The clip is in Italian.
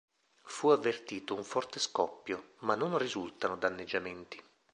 Fu avvertito un forte scoppio, ma non risultano danneggiamenti.